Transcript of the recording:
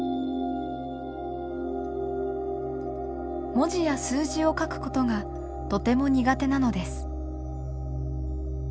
文字や数字を書くことがとても苦手なのです。